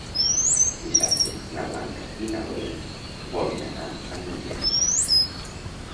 Dissabte na Blanca i na Lea volen anar a Nulles.